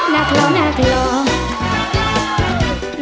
หน้าเคราะห์หน้าเคราะห์